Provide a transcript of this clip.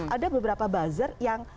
ada beberapa buzzer yang